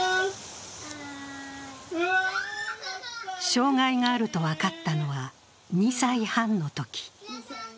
障害があると分かったのは２歳半のとき。